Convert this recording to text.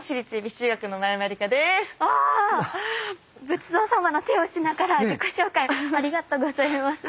仏像様の手をしながら自己紹介ありがとうございます。